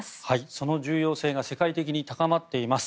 その重要性が世界的に高まっています。